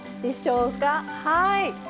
はい。